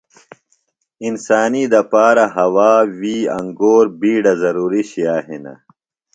انسانی دپارہ ہوا، وی، انگور بِیڈہ ضروری شئیہ ہِنہ۔